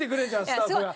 スタッフが。